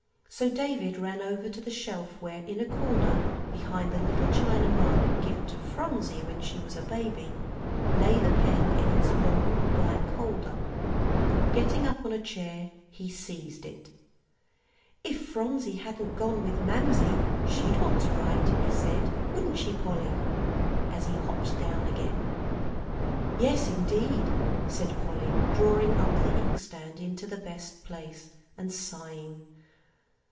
So David ran over to the shelf where, in a corner behind the little china mug given to Phronsie when she was a baby, lay the pen in its long black holder. Getting up on a chair, he seized it. "If Phronsie hadn't gone with Mamsie, she'd want to write," he said, "wouldn't she, Polly?" as he hopped down again. "Yes, indeed," said Polly, drawing up the inkstand into the best place, and sighing.